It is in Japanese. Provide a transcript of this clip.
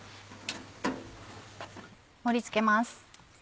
盛り付けます。